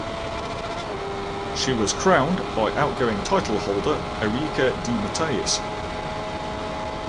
She was crowned by outgoing titleholder Erica De Matteis.